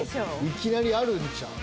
いきなりあるんちゃう？